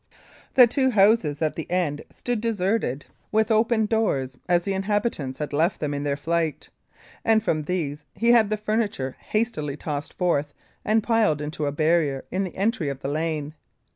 The two houses at the end stood deserted, with open doors, as the inhabitants had left them in their flight, and from these he had the furniture hastily tossed forth and piled into a barrier in the entry of the lane.